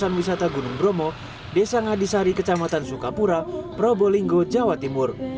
kawasan wisata gunung bromo desa ngadisari kecamatan sukapura probolinggo jawa timur